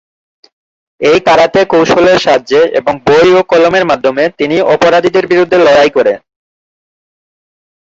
এই কারাতে কৌশলের সাহায্যে এবং বই ও কলমের মাধ্যমে তিনি অপরাধীদের বিরুদ্ধে লড়াই করে।